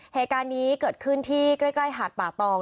เหตุการณ์นี้เกิดขึ้นที่ใกล้หาดป่าตอง